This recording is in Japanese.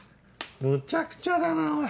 むちゃくちゃだなおい。